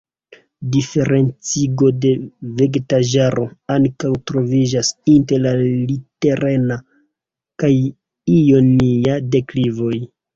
Diferencigo de vegetaĵaro ankaŭ troviĝas inter la tirena kaj ionia deklivoj.